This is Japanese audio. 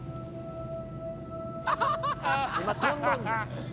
今飛んどんねん。